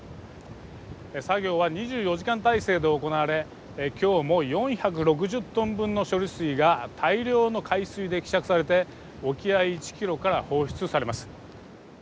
作業は２４時間体制で行われ今日も４６０トン分の処理水が大量の海水で希釈されて沖合１ｋｍから放出されます。